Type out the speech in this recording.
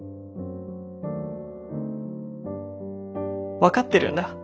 分かってるんだ。